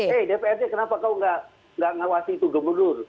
eh dprd kenapa kau nggak ngawasi itu gubernur